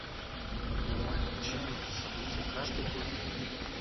Мы отмечаем это событие каждый год.